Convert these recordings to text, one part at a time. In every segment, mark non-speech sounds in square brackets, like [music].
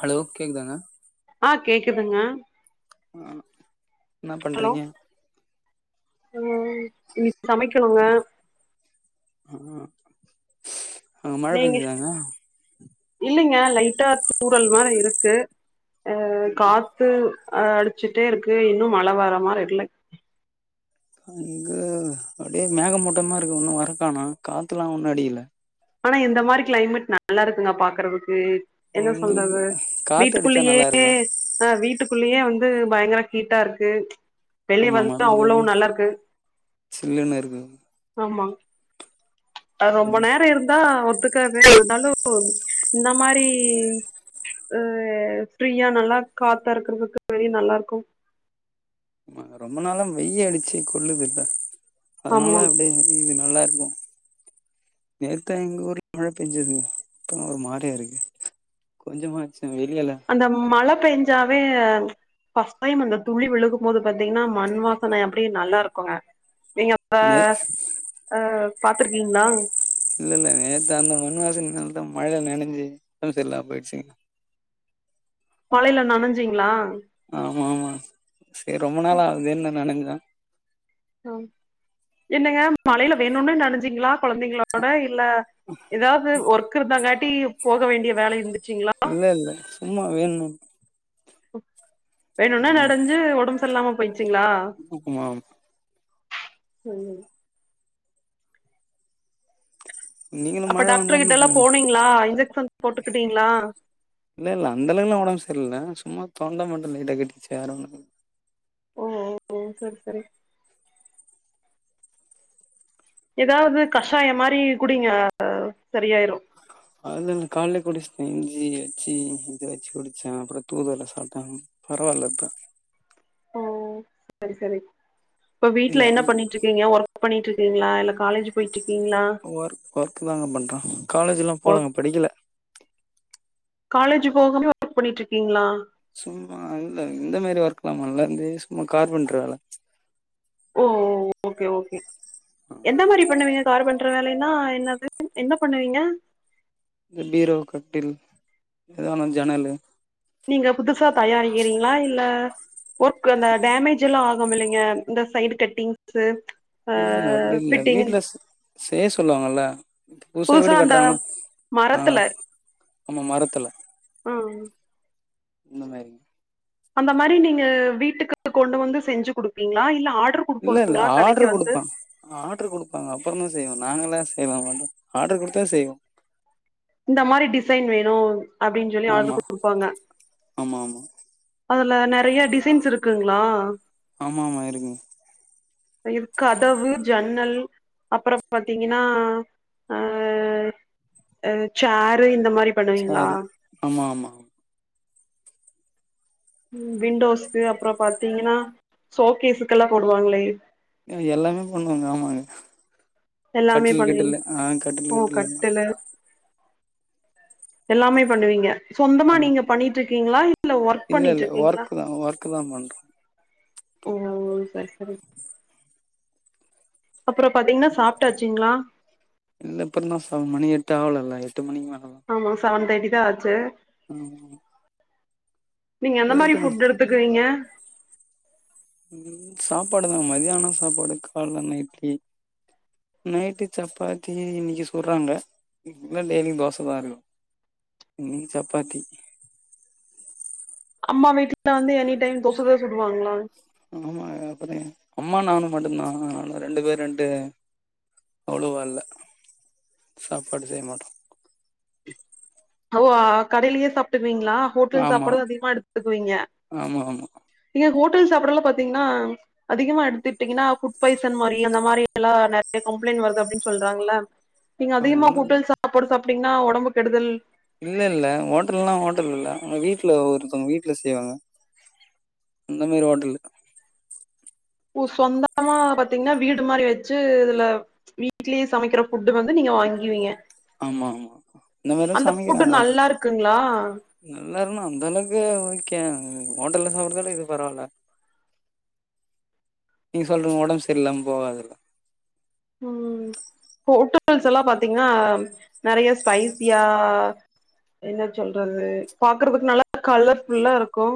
Hello கேக்குதுதாங்க ஆ கேக்குதுங்க ஆ என்ன பண்றிங்க ம் சமைக்கணுங்க ம் ஆ மழ பெஞ்சதாங்க இல்லிங்க லைட்டா தூரல் மாரி இருக்கு ஆ காத்து ஆ அடிச்சுட்டே இருக்கு இன்னு மழ வர மாரி இல்ல இங்க அப்டியே மேகமூட்டமா இருக்கு ஒன்னு வரக் காணோ காத்துலா ஒன்னு அடிக்கல ஆனா இந்த மாரி கிளைமேட் நல்லா இருக்குங்க பாக்கறதுக்கு என்ன உங்களுக்கு சொல்றது காத்து அடிச்சா வீட்டுக்குள்ளயே நல்லா இருக்கு ஆ வீட்டுக்குள்ளேயே வந்து பயங்கர ஹீட்டா இருக்கு வெளிய ஆமாமா வந்து இதுல அவ்ளோ எது நல்லா இருக்கு சில்லுன்னு இருக்கு ஆமா அது ரொம்ப ம் நேர இருந் தா ஒத்துக்காது இல்லனாலு இந்த மாரி ஆ ஃப்ரீயா நல்லா காத்தா இருக்கறதுக்கு வெளிய நல்லாருக்கு ஆமா ரொம்ப நாளா வெயி அடிச்சு கொல்லுதுல்ல அதனால ஆமா அப்டியே இது நல்லாருக்கு நேத்தே எங்க ஊர்ல மழ பெஞ்சதுங்க இப்ப ஒரு மாரியா இருக்கு கொஞ்சமாச்சு வெளியல அந்த மழ பேஞ்சாவே ஃபஸ்ட் டைம் அந்த துளி விழுகம்போது பாத்திங்னா மண் வாசன அப்படியே நல்லா இருக்குங்க நீங்க அ நே அ பாத்துருக்கிங்ளா இல்ல இல்ல நேத்து அந்த மண் வாசனனாலதா மழ நனஞ்சு ஒடம்பு சரில்லாம போயிடுச்சுங் மழையில நனைஞ்சிங்ளா ஆமாமா செரி ரொம்ப நாள் ஆகுதேன்னு நா நனஞ்ச அ என்னங்க மழையில வேணுன்னே நனைஞ்சிங்ளா கொழந்தைங்களோட இல்ல எதாவது ஒர் க் இருந்தங்காட்டி போக வேண்டிய வேல இருந்துச்சுங்ளா இல்ல இல்ல சும்மா வேணுனே வேணுன்னே நனஞ்சு ஒடம்பு செர்ல்லாம போயிர்ச்சுங்ளா அமாம் சொல்லுங் நீங்களு அப்ப மழ வந்தா டாக்டர் என்ன கிட்ட எல்லா பண்ணுவீங்க போனிங்ளா இன்ஜெக்ஷன் போட்டுக்கிட்டிங்ளா இல்ல இல்ல அந்த அளவுக்குலா ஒடம்பு சரில்ல சும்மா தொண்ட மடடு லைட்டா கட்டிக்ச்சு வேற ஒன்னுல் ஓ ஓ ஓ சரி சரி ஏதாவது கஷாய மாரி குடிங்க சரியாயிரு அதலா நா காலலே குடிச்ட்டே இஞ்சி வெச்சு இது வெச்சு குடிச்ச அப்பற தூதுவள சாப்ட்டங் பரவால்ல இப்ப ஓ சரி சரி இப்ப இல்ல வீட்ல என்ன பண்ணிட்ருக்கிங்க ஒர்க் பண்ணிட்ருக்கிங்ளா இல்ல காலேஜ் போயிட்ருக்கிங்ளா ஒர்க் ஒர்க் தாங்க பண்ற காலேஜெலா போலங்க ஒர்க் படிக்கல காலேஜ் போகாம ஒர்க் பண்ணிட்ருக்கிங்ளா சும்மா இல்ல இந்த மாரி ஒர்க்லா பண்ல சும்மா கார்பென்டரு வேல ஓ ஓ ஓ ஓகே ஓகே எந்த மாரி பண்ணுவிங்க கார்பென்டர் வேலைன்னா என்னது என்ன பண்ணுவிங்க இந்த பீரோ கட்டில் எதான ஜன்னலு நீங்க புதுசா தயாரிக்கிறிங்ளா இல்ல ஒர்க் அந்த டேமேஜ் எல்லா ஆகுமில்லைங்க இந்த சைடு கட்டிங்ஸு ஆ இல்ல இல்ல அப்டி இல்ல ஃபிட்டிங் வீட்லஸ் செய்ய சொல்லுவாங்கல்ல புதுசா வீடு கட்றவங்க ஆ மரத்துல ஆமா மரத்துல ஆ ஆமா இந்த மாரி அந்த மாரி நீங்க வீட்டுக்கு கொண்டு வந்து செஞ்சு குடுப்பிங்ளா இல்ல ஆடரு இல்ல இல்ல ஆட்ரு குடுப்பா ஆட்ரு குடுப்பாங்க அப்புறந்தா செய்வோ நாங்கல்லா செய்யலா மாட்டோ ஆட்ரு குடுத்தா செய்வோ இந்த மாரி டிசைன் வேணு அப்டின் சொல்லி ஆடரு ஆமா குடுப்பாங்க ஆமா ஆமா அதுல நெறைய டிசைன்ஸ் இருக்குங்ளா ஆமாமா இருக்குங் இது கதவு ஜன்னல் அப்பறம் பாத்திங்கன்னா அ சேரு இந்த மாரி பண்ணுவீங்களா சேரு ஆமா ஆமா விண்டோஸு அப்பற பாத்திங்கனா சோகேஸுக்கெல்லா போடுவாங்களே எ எல்லாமே பண்ணுவங்க ஆமாங்க எல்லாமே கட்டில் பண்ணி கிட்டிலு ஆ கட்டில் ஓ கிட்டில்லா கரட்டுங்க எல்லாமே பண்ணுவீங்க சொந்தமா ஆமா நீங்க பண்ணிட்டு இருக்கீங்களா இல்ல ஒர்க் பண்ணிட்டு இருக்கீங்களா கக் [unintelligible] ஓ சரி சரி அப்புறம் பாத்தீங்கன்னா சாப்ட்டாச்சுங்களா இல்ல இப்பறம்ந்தான் [unintelligible] [unintelligible] மணி எட்டு ஆகல இல்ல எட்டு மணிக்கு வரலாம் ஆமா செவன் தேட்டி தா ஆச்சு ம் நீங்க எந்த மாரி ஃபுட் எடுத்துக்கிறீங்க ம் சாப்பாடுதா மதியானம் சாப்பாடு கால் இட்லி நைட்டு சப்பாத்தி இன்றைக்கு சுடறாங்க இல்ல டெய்லிக்கு தோசை தா இருக்கும் நீ சப்பாத்தி அம்மா வீட்டுல வந்து எனி டைம் தோசதா சுடுவாங்களா ஆமா அப்புற அம்மா நானு மட்டும்தா ரெண்டு பேருட்டு அவ்வளவா இல்ல சாப்பாடு செய்ய மாட்டோம் ஓ கடையிலயே சாப்ட்டுக்குவீங்களா ஹோட்டல் ஆமா சாப்படுறது அதிகமா எடுத்துக்குவீங்க ஆமா ஆமா நீங்க ஹோட்டல் சாப்படல்லா பாத்தீங்கன்னா அதிகமா எடுத்துட்டீங்கன்னா புட் பாய்சன் மாதிரி அந்த மாரில்லா நிறைய கம்ப்ளைண்ட் வருது அப்டின்னு சொல்றாங்கள [inaudible] நீங்க அதிகமா உண்ம இல்ல ஹோட்டல் சாப்பாடு சாப்ட்டீங்னா உடம்பு கெடுதல் இல்ல இல்ல ஹோட்டல்லா ஹோட்டல் இல்ல வீட்டுல ஒருத்தவங்க வீட்டுல செய்வாங்க அந்த மாரி ஓட்டல் சொந்தமா பாத்தீங்கன்னா வீடு மாரி வச்சு இதுல வீட்லேயே சமைக்கிற ஃபுட்டு் வந்து நீங்க வாங்குவீங்க ஆமா ஆமா இந்த மாரிலா அந்த புட்டு சமைக்கிறாங்க அவங்க நல்லா இருக்குங்களா நல்லா இருணு அந்த அளவுக்கு ஓக்கே ஹோட்டல்ல சாப்பறத விட இது பரவாயில்ல நீங்க சொல்றீங்க உடம்பு சரியில்லாம போகாததுல்ல ம் ஹோட்டல்ஸ் எல்லா பாத்தீங்கன்னா நெறைய ஸ்பைஸியா என்ன சொல்றது பாக்குறதுக்கு நல்லா கலர்ஃபுல்லா இருக்கு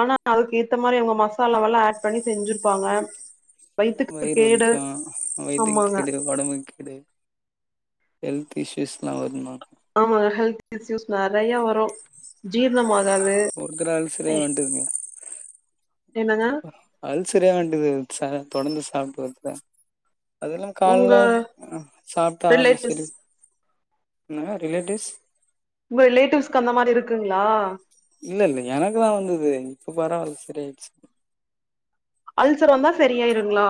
ஆனா அதுக்கு ஏத்த மாரி அவங்க மசாலாவல்ல ஆட் பண்ணி செஞ்சிருப்பாங்க வயித்துக்கு வயிறு கேடு வலிக்கு வயித்துக்கு ஆமாங்க கேடு உடம்பு கேடு ஹெல்த் இஸ்யூஸ் எல்லா வருமா ஆமா ஹெல்த் இஸ்யூஸ் நெறைய வரு ஜீர்ணம் ஆகாது தங்க என்னங்க அல்சரியா வேண்டியது தொடர்ந்து சாப்பிட்டு வருதுல அதெல்லா உங்க காலைல சாப்பிட்ட ஆல் ரிலேட்டிவ்ஸ் சரி நீ என்ன ரிலேட்டிவ்ஸ் உங்க ரிலேட்டிவ்க்கு அந்த மாரி இருக்குங்களா இல்ல இல்ல எனக்கு தா வந்தது இப்ப பரவாயில சரிய ஆயிடுச்சு அல்சர் வந்தா சரியாயிருங்களா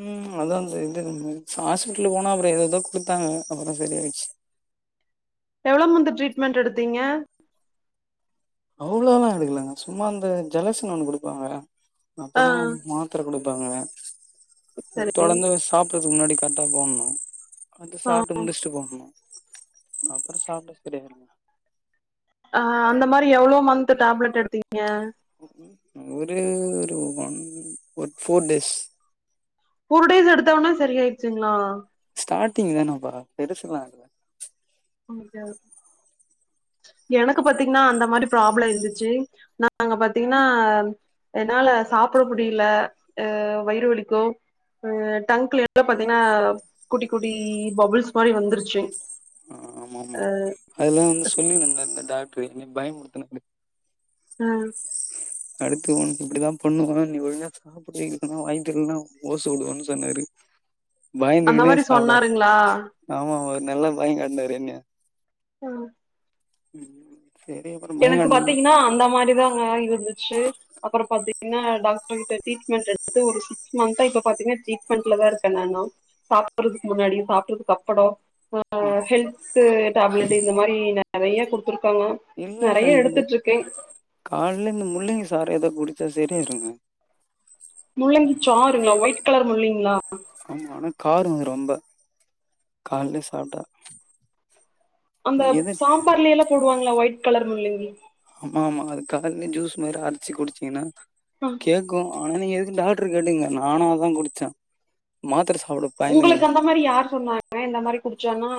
ம் அ [unintelligible] இது ஹாஸ்பிடல்ல போனா அப்புற ஏததோ கொடுத்தாங்க அப்புற சரிய ஆயிடுச்சு எவ்ளோ மந்து ட்ரீட்மெண்ட் எடுத்தீங்க அவ்ளோல்லா எடுக்கலங்க சும்மா அந்த ஜலசனம் ஒண்ணு கொடுப்பாங்க அப்புற ஆ மா மாத்திர கொடுப்பாங்க சரி தொடர்ந்து சாப்பறதுக்கு முன்னாடி கரெக்டா போடணு வந்து ஆ சாப்ட்டு முடிச்சுட்டு போகணு அப்றோ சாப்ட்டுக்கறே ஆ அந்த மாதிரி எவ்ளோ மந்த் டேப்லெட் எடுத்தீங்க ஒரு ஒரு ஒன் ஒரு ஃபோர் டேய்ஸ் போர் டேஸ் எடுத்தோனே சரி ஆயிடுச்சுங்களா ஸ்டார்ட்டிங் தானப்பா பெருசுலா இல்ல [unintelligible] எனக்கு பாத்தீங்கன்னா அந்த மாரி ப்ராப்ள இருந்துச்சு நாங்க பாத்தீங்கன்னா என்னால சாப்ட முடியல அ வயிறு வலிக்கும் ம் டங்க்ல எல்லா பாத்தீங்கன்னா குட்டி குட்டி பபுள்ஸ் மாதிரி வந்துருச்சு ஆ ஆமா ஆமா அ அதெல்லா வந்து சொல்லி நம்மல அந்த டாக்டரு என்னய பயமுறுத்துனாரு அ அடுத்து ஒனக் இப்படிதா பண்ணுவா நீ ஒழ்ங்கா அப்டியே இருக்கணு வாங்கி தர்லைன்னா ஓச விடுவன்னு சொன்னாரு அந்த பயந்துக்குன்னே மாரி சாப்ட சொன்னாருங்களா ஆமா ஒரு நல்லா பய காட்டினாரு என்னய அ உம் எனக்கு பாத்தீங்கன்னா அந்த மாறிதாங்க இருந்துச்சு அப்பறோ பாத்தீங்கன்னா டாக்டர்கிட்ட டரீட்மெண்ட் எடுத்து ஒரு சிக்ஸ் மந்த்தா இப்ப பாத்தீங்கன்னா ட்ரீட்மெண்ட்ல தா இருக்கே நானும் சாப்படுறதுக்கு முன்னாடியு சாப்ட்டதுக்கு அப்படோ ஆ ஹெல்த்து டேப்லெட்டு இந்த மாதிரி நிறைய கொடுத்துருக்காங்க இல்ல இல்ல இங்க காலைல இந்த முள்ளங்கி சாரு ஏதோ குடிச்சா சரியாயிருங்க முள்ளங்கிச் சாறுங்களா ஒயிட் கலர் முள்ளங்கிளா ஆமா ஆனா காருங்க ரொம்ப காலலயே சாப்பிட்டா அந்த சாம்பார்ல எல்லா போடுவாங்களா ஒயிட் கலர் முள்ளங்கி ஆமா ஆமா அது கால்லயே ஜூஸ் மாதிரி அரைச்சு குடிச்சீங்கன்னா அ கேட்கு ஆனா நீங்க எதுக்கு டாக்டர் கேட்டுங்க நானு அதா குடிச்சே மாத்திரை சாப்பிட பயந்துக்குன்னு உங்களுக்கு அந்த மாறி யார் சொன்னாங்க இந்த மாரி குடிச்சோன்னா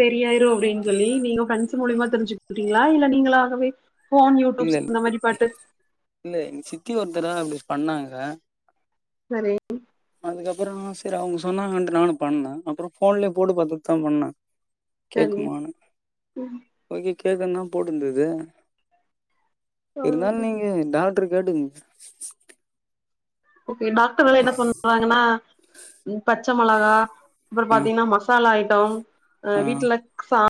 சரியாயிரு அப்டின்னு சொல்லி நீங்க கன்சல்ட் மூலியமா தெரிஞ்சுக்கிட்டீங்களா இல்ல நீங்களாகவே போன் இல்ல யூடியூப்ஸ் இல்ல இந்த மாதிரி பாட்டு இல்ல எங்க சித்தி ஒரு தடவ அப்டி பண்ணாங்க சரி அதுக்கப்றோ ஆ சரி அவங்க சொன்னாங்கட்டு நா பண்ணே அப்றோ போன்லயே போட்டு பார்த்துட்டு தா பண்ணே சரி கேக்குமான்னு ஓகே கேக்குந் தா போட்டுருந்தது இருந்தாலு நீங்க டாக்டர் கேட்டுங்க ஓகே டாக்டர் வேற என்ன சொல் வாங்கன்னா பச்சை மிளகா அப்றோ ஆ பாத்தீங்கன்னா மசாலா ஐட்டம் அ ஆ வீட்ல சா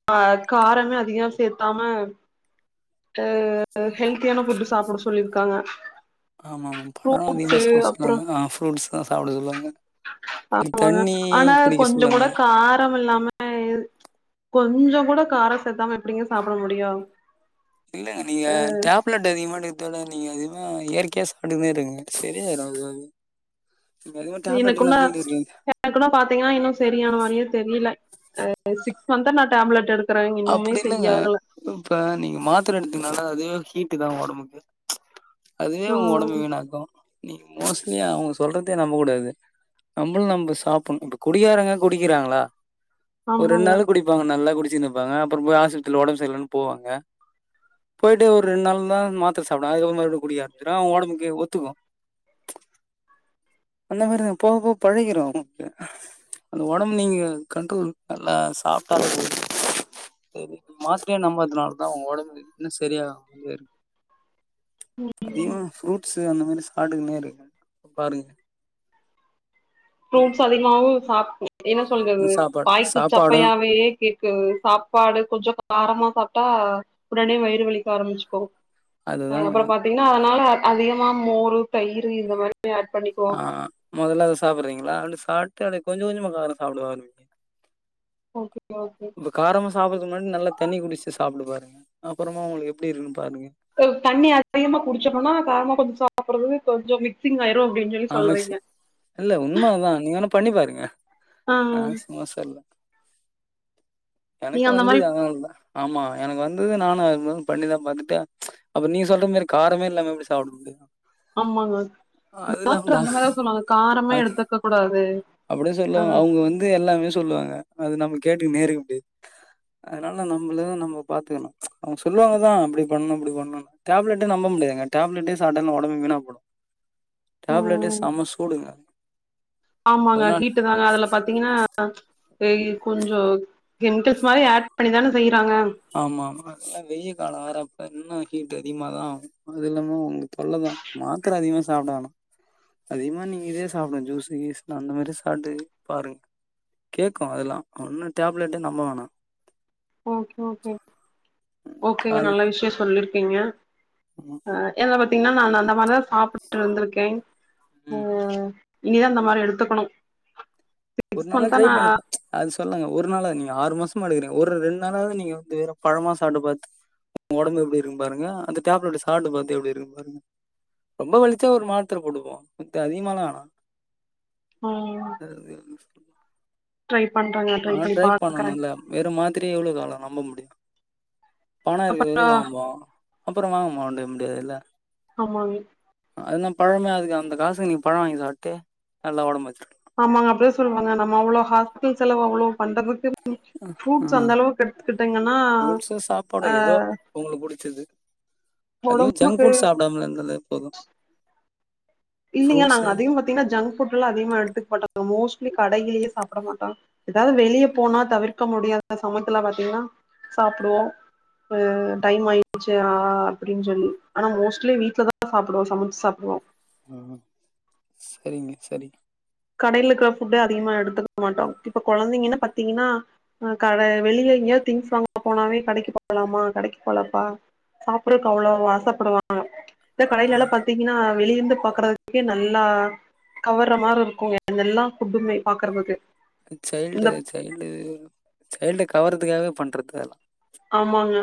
காரமே அதிகமா சேர்த்தாம அது ஹெல்த்தியான ஃபுட் சாப்ட சொல்லியிருக்காங்க ஆமா ஆமா பழ அதிகமா சாப்பிட அப்புறோ சொல்லுவாங்க ஆ ஃப்ரூட்ஸ் தா சாப்ட சொல்லுவாங்க அப்றோ ஆமாங்க தண்ணி ஆனா குடிக்க கொஞ்சோ கூட சொல்லுவாங்க. காரம் இல்லாம அ கொஞ்சோ கூட காரம் சேத்தாம எப்டிங்க சாப்ட முடியு இல்லங்க நீங்க டேப் லெட்டு அதிகமா எடுத்தாலு நீங்க அதிகமா இயற்கையா சாப்ட்ட மாறி இருங்க சரியாயிரு அதுவாவே நீங்க அதிகமா டேப்லெட் எனக்குன்னா நம்பிக்கிட்டு இருக்கீங்க. அ எனக்குனா பாத்தீங்ன்னா இன்னு சரியான மாரியே தெரியல அ சிக்ஸ் மன்தா நா டப்லெட் எடுத் அப்டி இல்லைங்க இப்ப நீங்க மாத்திர எடுத்தீங்னால அதே ஹீட்டு தா ஒடம்புக்கு அதுவே உங்க ஒடம்பு ம் வீணாக்கு நீ மோஸ்ட்லி அவ்ங்க சொல்றதே நம்ப கூடாது நம்மளு நம்ம சாப்ணு இப்ப குடிக்காரங்க குடிக்கிறாங்களா ஒரு ரெண் ஆமாங்க நாள் குடிப்பாங்க நல்லா குடிச்சின்ப்பாங்க அப்றோ போய் ஹாஸ்பிட்டல ஒடம்பு சரிலனு போவாங்க போய்டு ஒரு ரெண்டு நாள் தா மாத்திர சாப்டுவ அதுக்கு அப்றோ மறுபடியு குடிக்க ஆரம்பிச்சிருவா அவ ஒடம்புக்கு ஒத்துக்கு அந்த மாரிதா போக போக பழைகிரு நமக்கு அந்த ஒடம்பு நீங்க கண்ரோல் நல்லா சாப்ட்டாலே போது செரி மாத்திரயே நம்பறதுனால தா உங்க ஒடம்பு இன்னு சரியாகமாருக் அதிகமா ஃப்ரூட்ஸ் அந்த மாரி சாப்டு குனே இருங்க பாருங்க ஃப்ரூட்ஸ் அதிகமாவு சாப் என்ன சொல்றது சாப்பாடு வாய்க்கு சாப்பாடும் சப்பையாவையே கேக் ஏ சாப்பாடு கொஞ்சோ காரமா சாப்ட்டா உடனே வயிறு வலிக்க ஆரம்பிச்சுக்கு அ அதுதாங்க. அப்றொ பாத்தீங்ன்னா அதனால அதிகமா மோரு தயிரு இந்த மாரி அட் பண்ணிபோ ஆ மொதல்ல அத சாப்றீங்ளா அப்டி சாட்டு அத கொஞ்ச கொஞ்சமா காரோ சாப்ட ஆரம் ஓகே ஓகே இப்ப காரமா சாப்டுறக்கு முன்னாடி நல்லா தண்ணி குடிச்சு சாப்டு பாருங்க அப்புறமா உங்ளுக்கு எப்டி இருக்குன்னு பாருங்க தண்ணி அதிகமா குடிச்சிட்டுடொனா காரமா கொஞ்சொ சாப்பிடுறது கொஞ்சொ மிட் சிங்காயிரு அப்டின்னு சொல்லி ஆ மிக்ஸி சொல்றீங்க இல்ல உண்மா அதா நீங்க வேணா பண்ணிப் பாருங்க ஆ நா சும்மா சொல்லல நீங்க எனக்கு அந்த வந்து மாரி து அதனாலதா ஆமா எனக்கு வந்து து நானு அதுதா பண்ணிதா பாத்துட்டு அப்பறோ நீங்க சொல்ற மாரி காரமே இல்லாம எப்டி சாப்டுது ஆமாங்க டாக்டரு அந்த மாரிதா சொல்லுவாங்க காரமே எடுத்துக்க கூடாது அப்டி தா அ சொல்லுவாங்க அவ்ங்க வந்து எல்லாமே சொல்லுவாங்க அது நம்ம கேட்டுக்க நேருக்க முடியாது அதனாலதா நம்மள நம்ம பாத்துக்கணு அவ்ங்க சொல்லுவாங்கதா அப்டி பண்ணு இப்டி பண்ணு டப்லெட்ட நம்ப முடியாங்க டப்லட்ட சாட்டா ஒடம்பு வீணா போயிரு டேப்லெட்டெ ம் சம சூடுங்க ஆமாங்க அதனால ஹீட்டு தாங்க அதுல பாத்தீங்ன்னா [unintelligible] கொஞ்சொ கெமிக்கல்ஸ் மாரி அட் பண்ணிதான செய்றாங்க ஆமா ஆமா அதெல்லா வெயில் காலொ வேற இப்ப இன்னு ஹீட் அதிகமாதா ஆவு அது இல்லாம உங்க தொல்ல தா மாத்ர அதிகமா சாப்ட வனா அதிகமா நீங்க இதே சாப்டுங்க ஜூஸு கீஸ்லா அந்த மாரி சாப்ட்டு பாருங்க கேக்கு அதெல்லா ஒன்னு டப்லெட்டே நம்ம வணா ஓகே ஓகே ஓகேங்க கால் நல்ல விஷயோ சொல்லிருக்கீங்க ஆமா. அ என்ன பாத்தீங்ன்னா நா அந்த அந்த மாரிதா சாப்ட்டு இருந்திருக்கே ம் இனிதா இந்த மாரி எடுத்துக்கணு ஒரு நெக்ஸ்ட் நாளா மந்த்தா ட்ரை நா பண்ணிப் அது சொல்லாங்க ஒரு நாள நீங்க ஆறு மாசமா எடுக்கிறீங்க ஒரு ரெண்டு நாளாவ நீங்க வந்து வேறு பழமா சாப்ட்டு பாத்து உங்க ஒடம்பு எப்டி இருக்கு பாருங்க அந் தடேப்லெட் சாப்டு பாத்து எப்டி இருக்கு பாருங்க ரொம்ப வலிச்சா ஒரு மாத்தர போடுவோ மித்த அதிகம லா வேனா ம் [inaudible] ட்ரை பண்றாங்க ட்ரை அவன் பண்ணி பாக்கறே பண்ணணும்ல வேறு மாதிரியே எவ்ளோ கால நம்ப முடியு பண இருக்க அப்றோ வரைையு வாங்குவா அப்றோமா மாண்டெ வே குடியாதில்லா ஆமாங்க அதுனா பழமே அதுக்கு அந்த காசுக்கு நீ பழோ வாங்கி சாப்ட்டு நல்லா ஒடம்ப வச் [inaudible] ஆமாங்க அப்டி தா சொல்வாங்க நம்ம அவ்ளோ ஹாஸ்பிட்டல் செலவு அவ்ளோ பண்றதுக்கு ஃப்ரூட்ஸ் அந்த வச்சுருக்கலாம் அளவுக்கு எடுத்துக்கிட்டங்கன்னா ஃப்ரூட்ஸு சாப்பாடு அ அதிகோ ஜங்க் ஃபுட்ஸ் சாப்டாம இருந்தாலே போது இல்லிங்க நாங்க அதிக பாத்திங்கன்னா ஜங்க் ஃபட்லா அதிகமா எடுத்துக்மாட்டோ மோஸ்ட்லி கடையிலயே சாப்பட மாட்டோ எதாது வெளிய போனா தவிர்க்க முடியாத சமயத்துல பாத்திங்கன்னா சாப்புடுவோ இப்ப டைம் ஆயிடுச்சு ஆ அப்டின் சொல்லி அனா மோஸ்ட்லி வீட்ல தா சாப்புடுவோ சமச்சு சாப்புடுவோ ம் செரிங்க செரி கடைல இருக்கற ஃபுட்டே அதிகமா எடுத்துக் மாட்டோ இப்ப கொழந்தைங்கன்னா பத்திங்கன்னா ஆ கட வெளிய எங்கயோ திங்ஸ் வாங்க போனாவே கடைக்கு போலாமா கடைக்கு போலப்பா சாப்பர்ரக் அவ்ளோ ஆசப்படுவாங்க இந்த கடையிலல்லா பாத்திங்கன்னா வெளியர்ந்து பாக்கறதுக்கே நல்லா கவர்ற மாரி இருக் கு அது எல்லா ஃபுட்டுமே பாக்கறதுக்கு அ சைல்டு சைல்டு சைல்டு கவர்றதுக்காகவே பண்றது அதலா ஆமாங்க